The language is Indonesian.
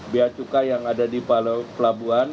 biaya cukai yang ada di pelabuhan